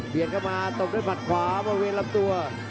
เปลี่ยนเข้ามาตบด้วยผันขวามาเว้นลำตัว